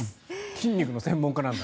筋肉の専門家なんだ。